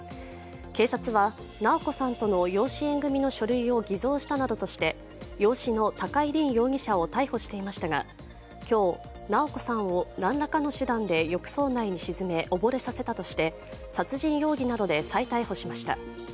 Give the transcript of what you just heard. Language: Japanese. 警察は直子さんとの養子縁組の書類を偽造したなどとして養子の高井凜容疑者を逮捕していましたが今日、直子さんを何らかの手段で浴槽内に沈め溺れさせたとして殺人容疑などで再逮捕しました。